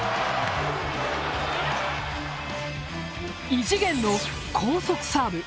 異次元の高速サーブ。